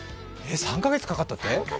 ３か月かかったって？